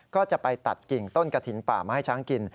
ก็จะไปตัดกิ่งต้นกระถิ่นป่ามาให้ช้างกิน